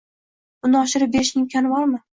uni oshirib berishning imkoni bormi?